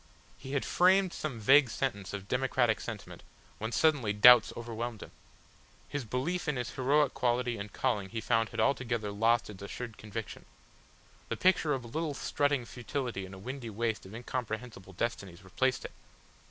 He had framed some vague sentence of democratic sentiment when suddenly doubts overwhelmed him. His belief in his heroic quality and calling he found had altogether lost its assured conviction. The picture of a little strutting futility in a windy waste of incomprehensible destinies replaced it.